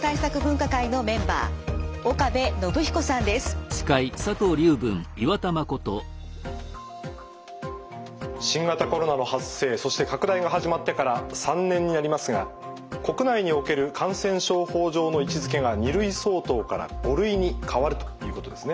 お話しいただくのは新型コロナの発生そして拡大が始まってから３年になりますが国内における感染症法上の位置づけが２類相当から５類に変わるということですね。